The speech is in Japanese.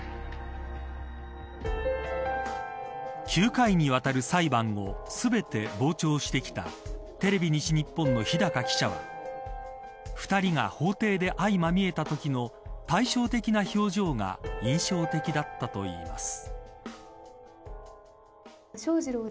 ９回にわたる裁判を全て傍聴してきたテレビ西日本の日高記者は２人が法廷で相まみえたときの対照的な表情が印象的だったといいます。